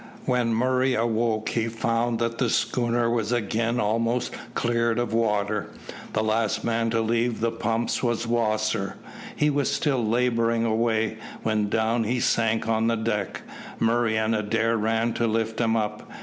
When Murray awoke he found that the schooner was again almost cleared of water. The last man to leave the pumps was Wasser. He was still labouring away, when down he sank on the deck. Murray and Adair ran to lift him up.